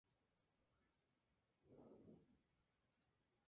A principios de octubre comenzó la filmación en Ciudad de Nueva York en Manhattan.